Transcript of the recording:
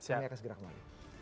saya akan segera kembali